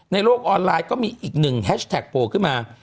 โลกออนไลน์ก็มีอีกหนึ่งแฮชแท็กโผล่ขึ้นมา